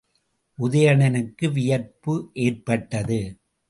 உதயணனுக்கு வியப்பு ஏற்பட்டது.